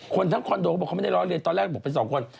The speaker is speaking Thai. ทั้งคอนโดเขาบอกเขาไม่ได้ล้อเรียนตอนแรกบอกเป็นสองคน